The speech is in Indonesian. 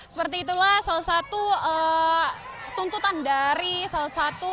seperti itulah salah satu tuntutan dari salah satu